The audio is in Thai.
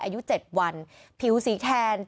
อายุ๗วันผิวสีแทน